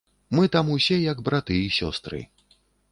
Мы там усе як браты і сёстры.